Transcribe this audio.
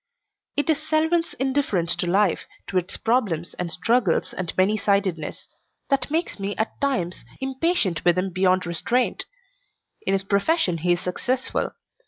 It is Selwyn's indifference to life, to its problems and struggles and many sidedness, that makes me at times impatient with him beyond restraint. In his profession he is successful.